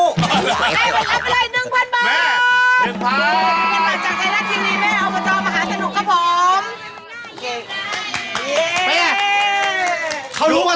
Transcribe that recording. เก่งอะไรบ้างเค้าอยู่พดกู้